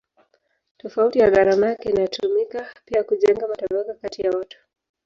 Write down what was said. Tofauti ya gharama yake inatumika pia kujenga matabaka kati ya watu.